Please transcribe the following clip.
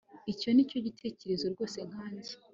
Icyo nicyo gitekerezo rwose nkanjye